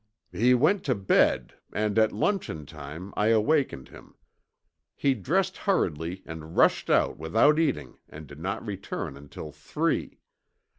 "He went to bed, and at luncheon time I awakened him. He dressed hurriedly and rushed out without eating and did not return until three.